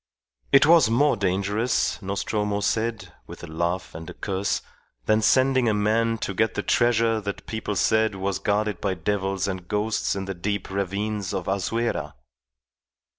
It was more dangerous, Nostromo said, with a laugh and a curse, than sending a man to get the treasure that people said was guarded by devils and ghosts in the deep ravines of Azuera.